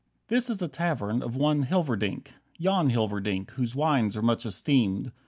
2 This is the tavern of one Hilverdink, Jan Hilverdink, whose wines are much esteemed.